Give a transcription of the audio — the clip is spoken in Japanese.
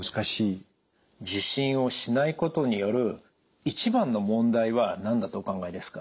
受診をしないことによる一番の問題は何だとお考えですか？